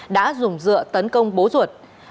đã dùng dựa tấn công bố ruột